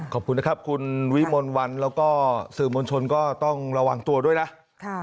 ขอบคุณนะครับคุณวิมลวันแล้วก็สื่อมวลชนก็ต้องระวังตัวด้วยนะ